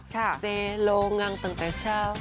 เซโลงังตั้งแต่เช้า